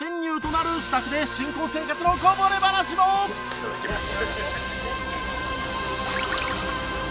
いただきます。